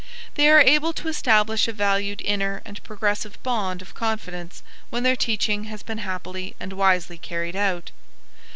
They are able to establish a valued inner and progressive bond of confidence when their teaching has been happily and wisely carried out.